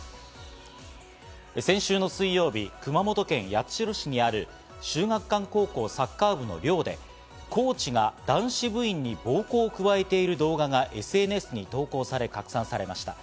先週水曜日、熊本県八代市にある秀岳館高校サッカー部の寮でコーチが男子部員に暴行を加えている動画がＳＮＳに投稿され拡散されました。